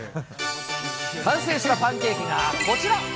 完成したパンケーキがこちら。